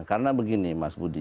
karena begini mas budi